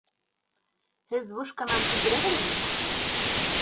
Һеҙ вышканан һикерәһегеҙме?